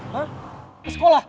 hah ke sekolah